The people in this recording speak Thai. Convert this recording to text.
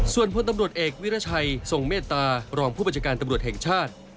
ส่วนพลตำรวจเอกวิรัชัยทรงเมตตารองผู้บัญชาการตำรวจแห่งชาติ